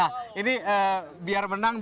nah ini biar menang